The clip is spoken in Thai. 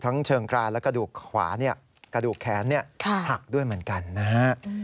เชิงกรานและกระดูกขวากระดูกแขนหักด้วยเหมือนกันนะฮะ